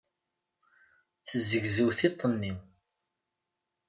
Tezzegzew tiṭ-nnem.